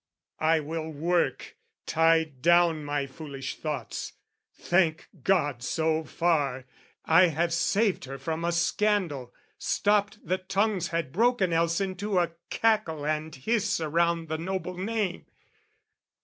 "I will work, "Tie down my foolish thoughts. Thank God so far! "I have saved her from a scandal, stopped the tongues "Had broken else into a cackle and hiss "Around the noble name.